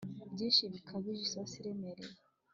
byinshi bikabije isosi iremereye